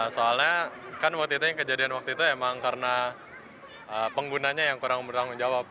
soalnya kan waktu itu yang kejadian waktu itu emang karena penggunanya yang kurang bertanggung jawab